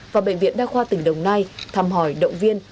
và bệnh viện đa khoa tỉnh đồng nai thăm hỏi động viên